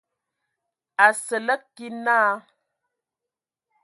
Asǝlǝg kig naa.